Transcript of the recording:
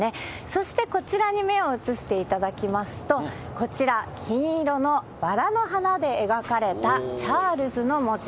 そしてこちらに目を移していただきますと、こちら、金色のバラの花で描かれたチャールズの文字。